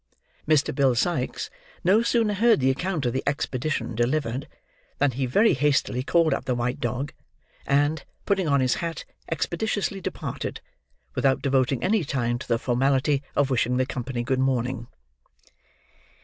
Mr. Bill Sikes no sooner heard the account of the expedition delivered, than he very hastily called up the white dog, and, putting on his hat, expeditiously departed: without devoting any time to the formality of wishing the company good morning.